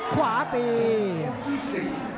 ขวาเตรียม